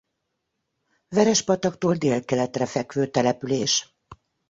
Verespataktól délkeletre fekvő település.